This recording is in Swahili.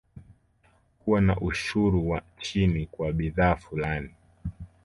Kuwa na ushuru wa chini kwa bidhaa fulani